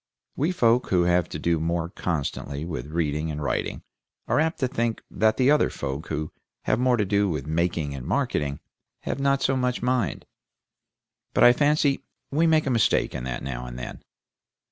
We folk who have to do more constantly with reading and writing are apt to think that the other folk who have more to do with making and marketing have not so much mind, but I fancy we make a mistake in that now and then.